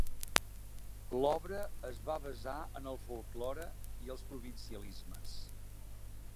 L'obra es va basar en el folklore i els provincialismes.